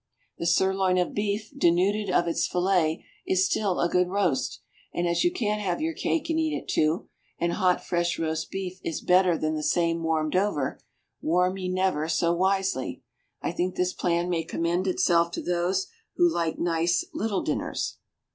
The sirloin of beef, denuded of its fillet, is still a good roast; and as you can't have your cake and eat it too, and hot fresh roast beef is better than the same warmed over, warm ye never so wisely, I think this plan may commend itself to those who like nice little dinners.